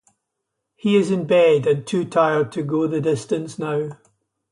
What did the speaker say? He is in bed, and too tired to go the distance now.